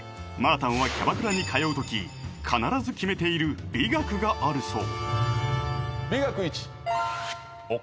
たんはキャバクラに通う時必ず決めている美学があるそう